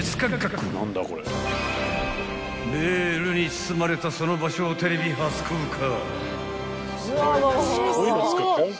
［ベールに包まれたその場所をテレビ初公開］